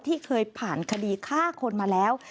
ที่เคยผ่านคดีฆ่าคนมาแล้ว